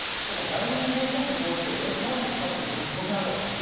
代理人弁護士の報酬ってどうやって払うんですか？という疑問があります。